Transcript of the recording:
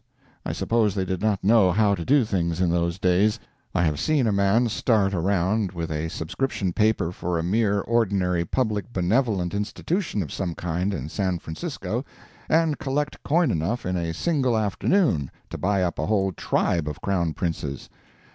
I suppose they did not know how to do things in those days. I have seen a man start around with a subscription paper for a mere ordinary public benevolent institution of some kind, in San Francisco, and collect coin enough in a single afternoon to buy up a whole tribe of Crown Princes.